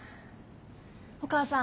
お母さん。